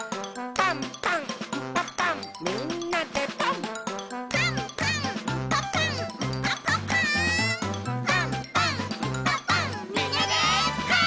「パンパンんパパンみんなでパン！」